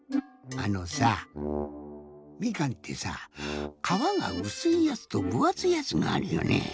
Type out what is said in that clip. あのさみかんってさかわがうすいやつとぶあついやつがあるよね。